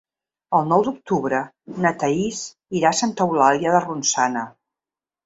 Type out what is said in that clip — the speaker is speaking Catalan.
El nou d'octubre na Thaís irà a Santa Eulàlia de Ronçana.